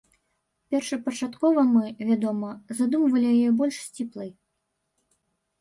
Першапачаткова мы, вядома, задумвалі яе больш сціплай.